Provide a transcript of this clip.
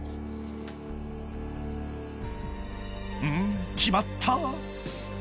［うん。決まった］